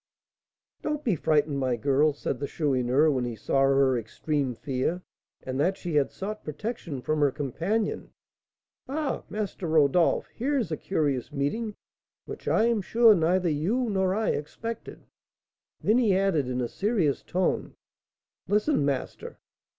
"Don't be frightened, my girl," said the Chourineur, when he saw her extreme fear, and that she had sought protection from her companion. "Ah, Master Rodolph, here's a curious meeting, which I am sure neither you nor I expected." Then he added, in a serious tone, "Listen, master.